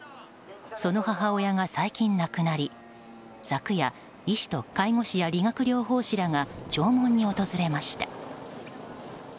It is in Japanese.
その母親が最近亡くなり昨夜、医師と介護士や理学療法士らが弔問に訪れました。